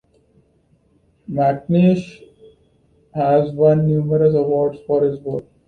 McNish has won numerous awards for his work.